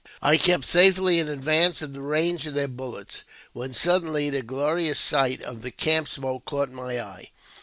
I kept safely in advance of the range of their bullets, when sud denly the glorious sight of the camp smoke caught my eye.